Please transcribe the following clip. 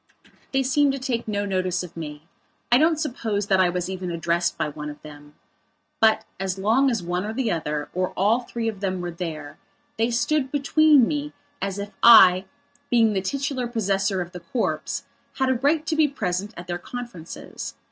They seemed to take no notice of me; I don't suppose that I was even addressed by one of them. But, as long as one or the other, or all three of them were there, they stood between me as if, I being the titular possessor of the corpse, had a right to be present at their conferences.